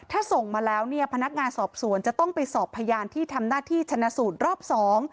ถ้าส่งมาแล้วเนี่ยพนักงานสอบสวนจะต้องไปสอบพยานที่ทำหน้าที่ชนะสูตรรอบสอง